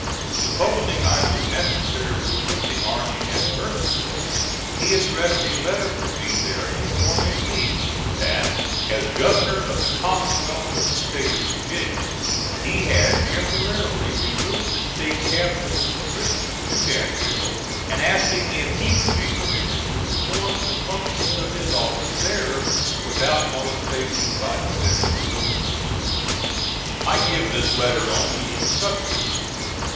Supposing I was necessarily with the army at Burkesville, he addressed a letter to me there informing me that, as governor of the Commonwealth of the State of Virginia, he had temporarily removed the State capital from Richmond to Danville, and asking if he would be permitted to perform the functions of his office there without molestation by the Federal authorities. I give this letter only in substance.